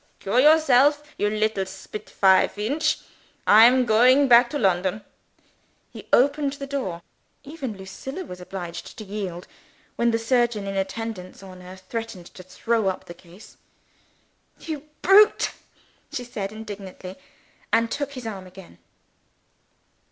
Cure yourself, you little spitfire Feench. I am going back to London." He opened the door. Even Lucilla was obliged to yield, when the surgeon in attendance on her threatened to throw up the case. "You brute!" she said indignantly and took his arm again.